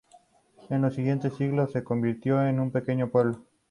En los siguientes siglos se convirtió en un pequeño pueblo.